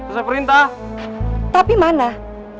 tidak ada jalan yang bisa kita jalanin